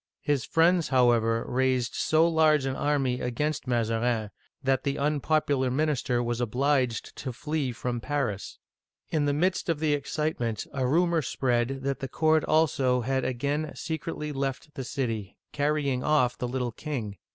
His friends, however, raised so large an army against Mazarin that the unpopular minister was obliged to flee from Paris. Digitized by VjOOQIC 322 OLD FRANCE In the midst of the excitement a rumor spread that the court also had again secretly left the city, carrying off the little king.